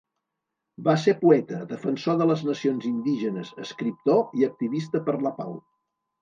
Va ser poeta, defensor de les nacions indígenes, escriptor i activista per la pau.